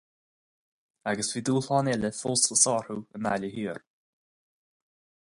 Agus bhí dúshlán eile fós le sárú i nGaillimh Thiar.